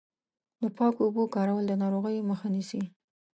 د پاکو اوبو کارول د ناروغیو مخه نیسي.